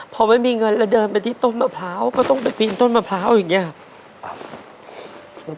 พอไม่มีเงินเราเดินไปที่ต้นมะพร้าวก็ต้องไปปีนต้นมะพร้าวอย่างนี้ครับ